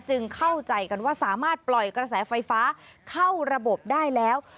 เข้าใจกันว่าสามารถปล่อยกระแสไฟฟ้าเข้าระบบได้แล้ว